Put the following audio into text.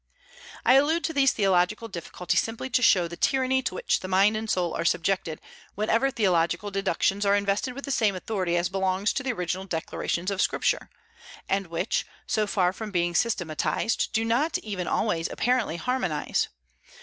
I allude to these theological difficulties simply to show the tyranny to which the mind and soul are subjected whenever theological deductions are invested with the same authority as belongs to original declarations of Scripture; and which, so far from being systematized, do not even always apparently harmonize.